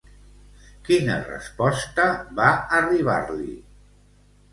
Quina resposta va arribar-li?